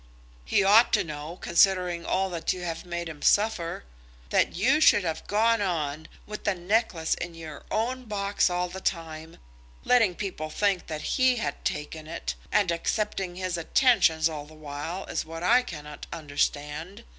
"He ought to know, considering all that you have made him suffer. That you should have gone on, with the necklace in your own box all the time, letting people think that he had taken it, and accepting his attentions all the while, is what I cannot understand!